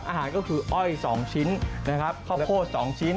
อาหารก็คืออ้อย๒ชิ้นนะครับข้าวโพด๒ชิ้น